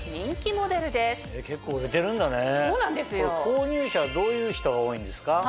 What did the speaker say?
購入者はどういう人が多いんですか？